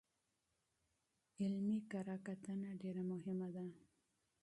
علمي کره کتنه ډېره مهمه ده.